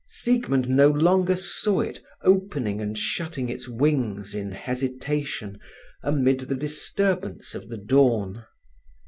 Siegmund no longer saw it opening and shutting its wings in hesitation amid the disturbance of the dawn.